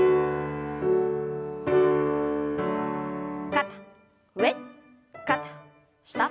肩上肩下。